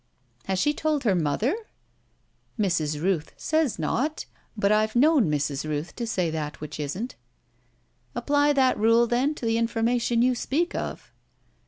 "Has she told her mother?" "Mrs. Rooth says not. But I've known Mrs. Rooth to say that which isn't." "Apply that rule then to the information you speak of."